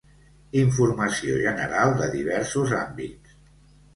Informació general de diversos àmbits.